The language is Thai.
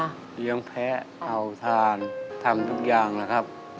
เลี้ยงแพ้เอาทานทำทุกอย่างนะครับ